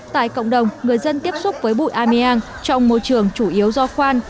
tại cộng đồng người dân tiếp xúc với bụi ameang trong môi trường chủ yếu do khoan